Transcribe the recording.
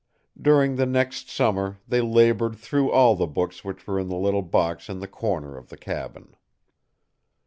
During the next summer they labored through all the books which were in the little box in the corner of the cabin.